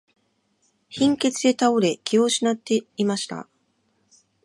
貧血で倒れ、気を失っていました。